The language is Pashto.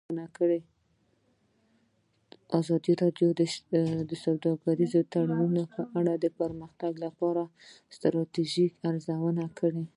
ازادي راډیو د سوداګریز تړونونه په اړه د پرمختګ لپاره د ستراتیژۍ ارزونه کړې.